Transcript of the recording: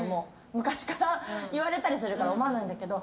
昔から言われたりするから思わないんだけど。